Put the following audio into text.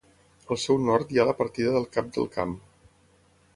Al seu nord hi ha la partida del Cap del Camp.